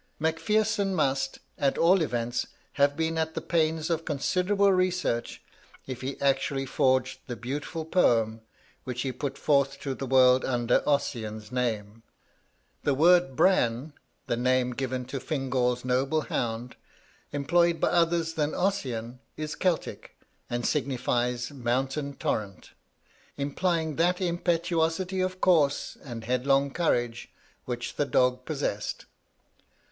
Mac Pherson must, at all events, have been at the pains of considerable research if he actually forged the beautiful poems, which he put forth to the world under Ossian's name. The word 'Bran,' the name given to Fingal's noble hound, employed by others than Ossian, is Celtic, and signifies 'Mountain Torrent,' implying that impetuosity of course and headlong courage which the dog possessed.